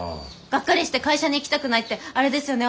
「ガッカリして会社に行きたくない」ってあれですよね